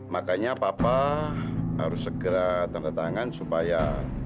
makanya papa harus segera tanda tangan supaya